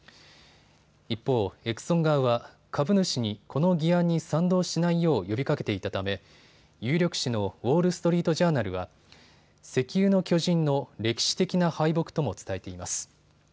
一方、エクソン側は株主にこの議案に賛同しないよう呼びかけていたため有力紙のウォール・ストリート・ジャーナルは石油の巨人の歴史的な敗北とも伝えています。